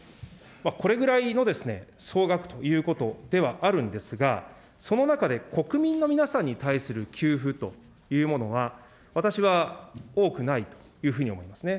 これぐらいの総額ということではあるんですが、その中で、国民の皆さんに対する給付というものは、私は多くないというふうに思いますね。